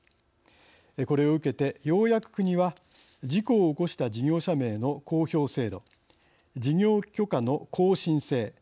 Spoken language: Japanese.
これを受けてようやく国は、事故を起こした事業者名の公表制度事業許可の更新制。